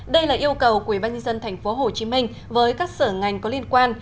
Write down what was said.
đây là yêu cầu quỹ ban nhân dân tp hcm với các sở ngành có liên quan